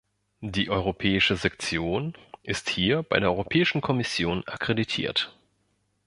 Die Europäische Sektion ist hier bei der Europäischen Kommission akkreditiert.